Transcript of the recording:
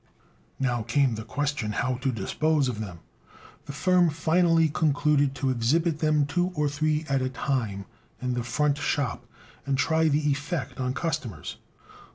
Now came the question how to dispose of them. The firm finally concluded to exhibit them two or three at a time in the front shop, and try the effect on customers.